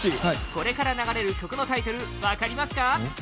これから流れる曲のタイトル分かりますか？